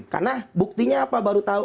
karena buktinya apa baru tahu